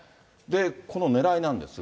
このねらいなんですが。